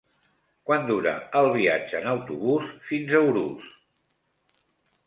Quant dura el viatge en autobús fins a Urús?